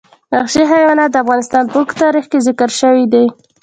وحشي حیوانات د افغانستان په اوږده تاریخ کې ذکر شوی دی.